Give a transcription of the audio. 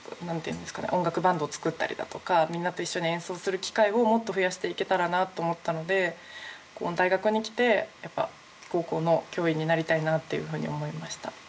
音楽バンドを作ったりだとかみんなと一緒に演奏する機会をもっと増やしていけたらなと思ったので大学に来てやっぱり高校の教員になりたいなっていうふうに思いました。